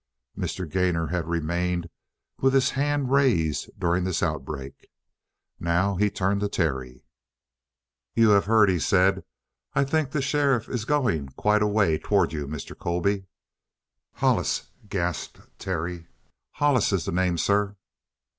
Mr. Gainor had remained with his hand raised during this outbreak. Now he turned to Terry. "You have heard?" he said. "I think the sheriff is going quite a way toward you, Mr. Colby." "Hollis!" gasped Terry. "Hollis is the name, sir!"